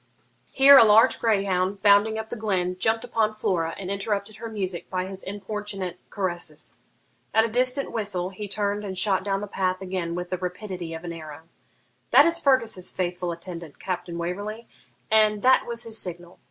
Here a large greyhound, bounding up the glen, jumped upon Flora and interrupted her music by his importunate caresses. At a distant whistle he turned and shot down the path again with the rapidity of an arrow. 'That is Fergus's faithful attendant, Captain Waverley, and that was his signal.